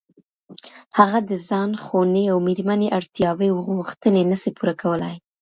هغه د ځان، خوني او ميرمني اړتياوي او غوښتني نسي پوره کولای.